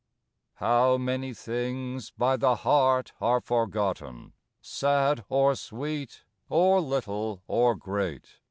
II How many things by the heart are forgotten! Sad or sweet, or little or great!